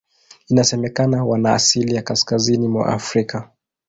Inasemekana wana asili ya Kaskazini mwa Afrika.